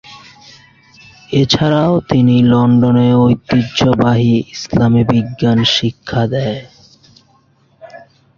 এছাড়াও তিনি লন্ডনে ঐতিহ্যবাহী ইসলামী বিজ্ঞান শিক্ষা দেন।